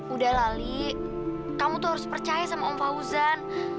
udah lali kamu tuh harus percaya sama om fauzan